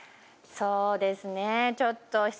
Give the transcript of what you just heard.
「そうですねちょっと」